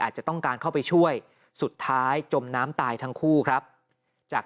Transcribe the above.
อาจจะต้องการเข้าไปช่วยสุดท้ายจมน้ำตายทั้งคู่ครับจาก